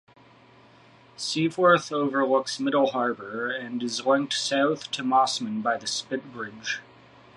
Seaforth overlooks Middle Harbour and is linked south to Mosman by the Spit Bridge.